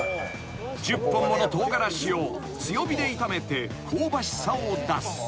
［１０本もの唐辛子を強火で炒めて香ばしさを出す］